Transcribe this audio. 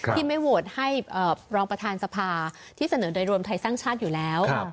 ที่ไม่โหวตให้รองประธานสภาที่เสนอโดยรวมไทยสร้างชาติอยู่แล้ว